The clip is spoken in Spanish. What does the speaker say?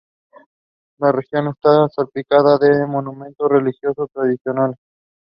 La región está salpicada de monumentos religiosos tradicionales.